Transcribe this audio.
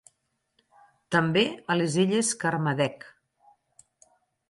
També a les Illes Kermadec.